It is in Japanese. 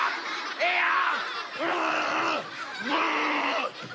ええやん！